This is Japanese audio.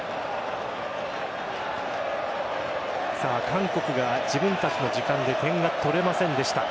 韓国が自分たちの時間で点が取れませんでした。